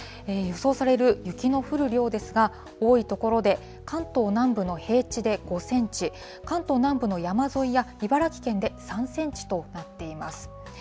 予想される雪の降る量ですが、多い所で、関東南部の平地で５センチ、関東南部の山沿いや茨城県で３センチとなっています。